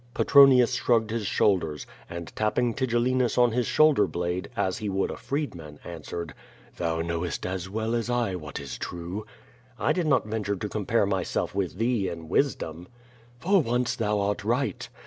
Petronius shrugged his shoulders, and, tapping Tigellinus on his shoulder blade, as he would a freedman, answered: "Thou knowest as well as I what is true." "I did not venture to compare myself with thee in wisdom." "For once thou art right.